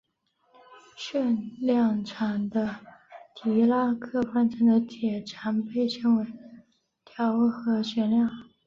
旋量场的狄拉克方程的解常被称为调和旋量。